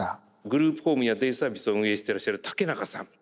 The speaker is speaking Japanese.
グループホームやデイサービスを運営していらっしゃる竹中さん。